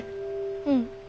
うん。